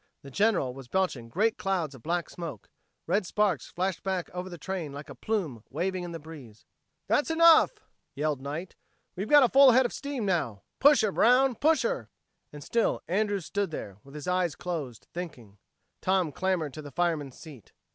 The General was belching great clouds of black smoke; red sparks flashed back over the train like a plume waving in the breeze. "That's enough," yelled Knight. "We've got a full head of steam now. Push her, Brown, push her!" And still Andrews stood there, with his eyes closed, thinking. Tom clambered to the fireman's seat.